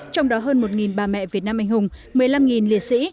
trong đó hơn một bà mẹ việt nam anh hùng một mươi năm liệt sĩ